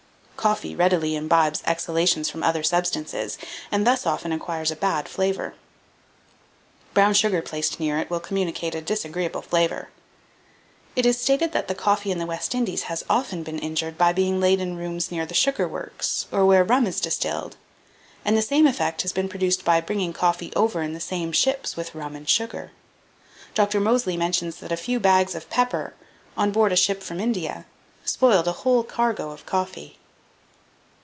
Coffee readily imbibes exhalations from other substances, and thus often acquires a bad flavour: brown sugar placed near it will communicate a disagreeable flavour. It is stated that the coffee in the West Indies has often been injured by being laid in rooms near the sugar works, or where rum is distilled; and the same effect has been produced by bringing over coffee in the same ships with rum and sugar. Dr. Moseley mentions that a few bags of pepper, on board a ship from India, spoiled a whole cargo of coffee.